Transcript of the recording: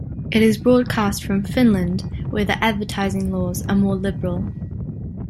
It is broadcast from Finland, where the advertising laws are more liberal.